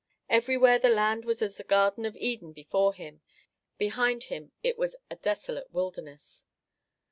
Every where the land was as the garden of Eden before him; behind him it was a desolate wilderness.